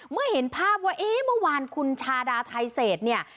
เมื่อเห็นภาพว่าเอ๊ะเมื่อวานคุณชาดาไทเศษเนี่ย